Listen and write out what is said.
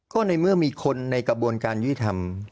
ก็ในเมื่อมีคนในกระบวนการยุติธรรม